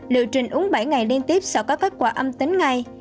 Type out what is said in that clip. liệu trình uống bảy ngày liên tiếp sẽ có kết quả âm tính ngay